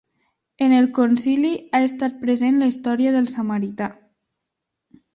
En el Concili ha estat present la història del samarità.